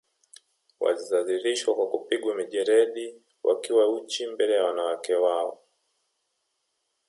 Walidhalishwa kwa kupigwa mijeledi wakiwa uchi mbele ya wanawake wao